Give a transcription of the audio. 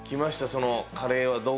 そのカレーはどう。